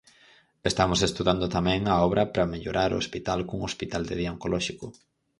Estamos estudando tamén a obra para mellorar o hospital cun hospital de día oncolóxico.